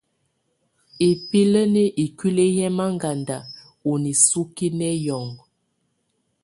Ibílə́ninə̌ ikuili yɛ manŋgada ɔ nisuki nɛ hiɔnŋɔ t.